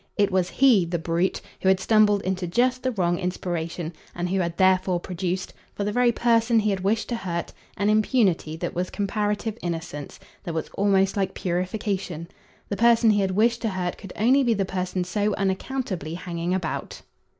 It was HE, the brute, who had stumbled into just the wrong inspiration and who had therefore produced, for the very person he had wished to hurt, an impunity that was comparative innocence, that was almost like purification. The person he had wished to hurt could only be the person so unaccountably hanging about.